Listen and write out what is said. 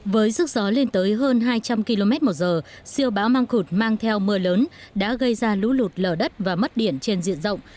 với giấc gió lên tới hơn hai trăm linh km một giờ siêu bão mangkut mang theo mưa lớn đã gây ra lũ lụt lở đất và mất điển trên diện rộng